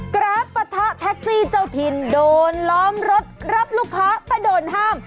ราฟปะทะแท็กซี่เจ้าถิ่นโดนล้อมรถรับลูกค้าแต่โดนห้าม